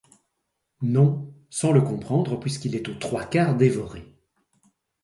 Non, sans le comprendre, puisqu’il est aux trois quarts dévoré.